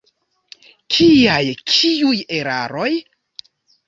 Kiaj, kiuj eraroj?